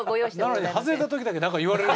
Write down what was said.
なのに外れた時だけなんか言われる。